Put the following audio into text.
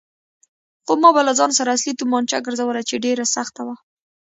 خو ما به له ځان سره اصلي تومانچه ګرځوله چې ډېره سخته وه.